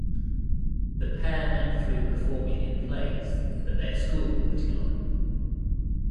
The pair met through performing in plays that their school were putting on.